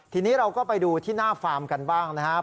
ทีนี้เราก็ไปดูที่หน้าฟาร์มกันบ้างนะครับ